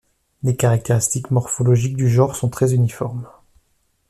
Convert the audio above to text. Les caractéristiques morphologiques du genre sont très uniformes.